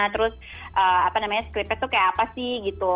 terus apa namanya scripnya tuh kayak apa sih gitu